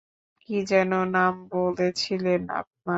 কী যেন নাম বলেছিলেন আপনার?